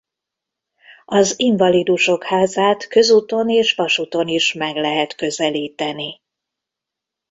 Az Invalidusok házát közúton és vasúton is meg lehet közelíteni.